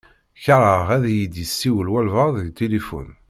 Kerheɣ ad iyi-d-yessiwel wabɛaḍ deg tilifun.